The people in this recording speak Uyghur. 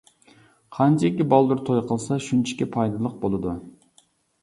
قانچىكى بالدۇر توي قىلسا، شۇنچىكى پايدىلىق بولىدۇ.